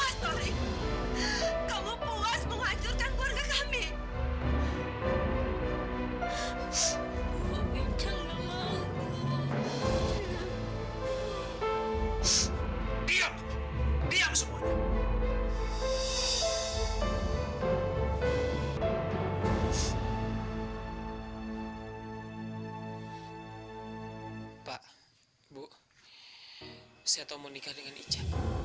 saya tahu mau nikah dengan ica